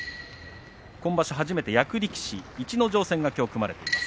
今場所初めて役力士、逸ノ城戦がきょう組まれています。